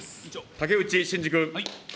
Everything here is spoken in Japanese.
竹内真二君。